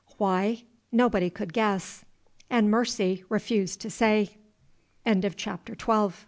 Why nobody could guess; and Mercy refused to say. CHAPTER XIII.